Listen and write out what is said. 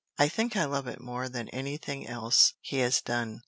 I think I love it more than any thing else he has done.